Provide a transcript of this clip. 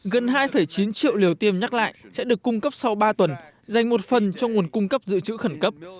gần hai chín triệu liều tiêm nhắc lại sẽ được cung cấp sau ba tuần dành một phần cho nguồn cung cấp dự trữ khẩn cấp